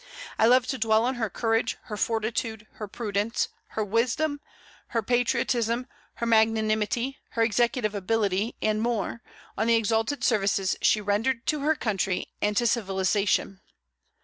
I love to dwell on her courage, her fortitude, her prudence, her wisdom, her patriotism, her magnanimity, her executive ability, and, more, on the exalted services she rendered to her country and to civilization.